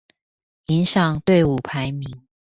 影響隊伍排名